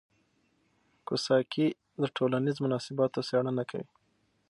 کواساکي د ټولنیزو مناسباتو څېړنه کوي.